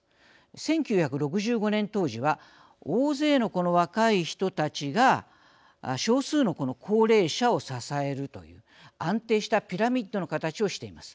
１９６５年当時は大勢のこの若い人たちが少数のこの高齢者を支えるという安定したピラミッドの形をしています。